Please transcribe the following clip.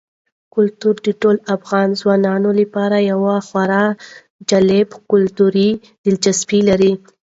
کلتور د ټولو افغان ځوانانو لپاره یوه خورا جالب کلتوري دلچسپي لري.